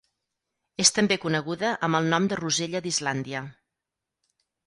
És també coneguda amb el nom de rosella d'Islàndia.